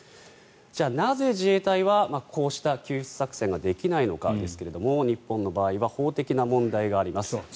じゃあなぜ自衛隊はこうした救出作戦ができないのかですが日本の場合は法的な問題があります。